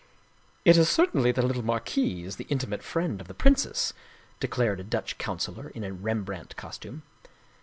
" It is certainly the little marquise, the intimate friend of the princess," declared a Dutch councilor in a Rembrandt costume.